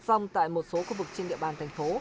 xong tại một số khu vực trên địa bàn thành phố